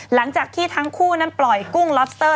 หลังจากที่ทั้งคู่นั้นปล่อยกุ้งล็อบสเตอร์